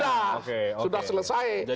sudah sudah selesai